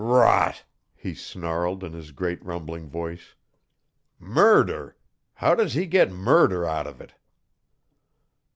"Rot!" he snarled in his great rumbling voice. "Murder? How does he get murder out of it?"